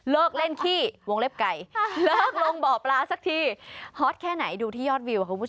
เลิกเล่นขี้วงเล็บไก่